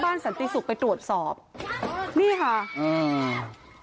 บ้านสันติสุกไปตรวจสอบนี่ค่ะอืม